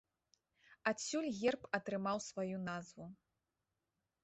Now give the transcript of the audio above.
Адсюль герб атрымаў сваю назву.